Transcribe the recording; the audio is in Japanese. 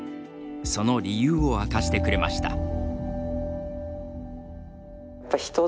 その理由を明かしてくれました。